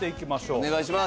お願いします。